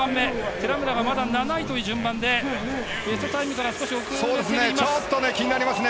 寺村がまだ７位という順番で、ベストタイムから少し遅れていまちょっと気になりますね。